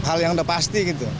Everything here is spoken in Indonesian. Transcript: hal yang udah pasti gitu